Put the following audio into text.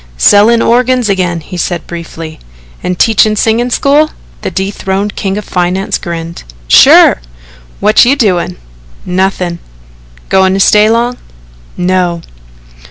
"Sellin' organs agin," he said briefly. "And teaching singing school?" The dethroned king of finance grinned. "Sure! What you doin'?" "Nothing." "Goin' to stay long?" "No."